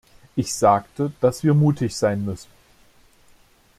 Ich sagte, dass wir mutig sein müssen.